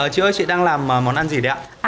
chị ơi chị đang làm món ăn gì đấy ạ